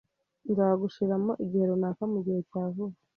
Nzagushiramo igihe runaka mugihe cya vuba